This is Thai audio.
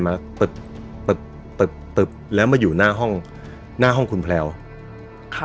มาเปิดเปิดตึบแล้วมาอยู่หน้าห้องหน้าห้องคุณแพลวครับ